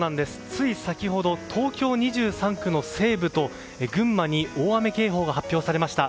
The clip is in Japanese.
つい先ほど東京２３区の西部と群馬に大雨警報が発表されました。